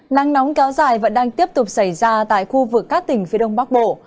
nắng nóng kéo dài vẫn đang tiếp tục xảy ra tại khu vực các tỉnh phía đông bắc bộ